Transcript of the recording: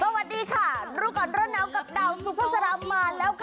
สวัสดีค่ะดูก่อนร่อนน้ำกับดาวซุปเปอร์สรามมาแล้วค่ะ